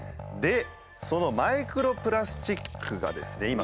でそのマイクロプラスチックがですね